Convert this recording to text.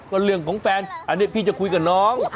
ก็เรื่องของแฟนอันนี้พี่จะคุยกับน้อง